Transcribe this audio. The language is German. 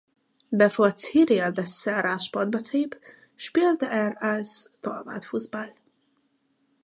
Bevor Cyril Dessel Radsport betrieb, spielte er als Torwart Fußball.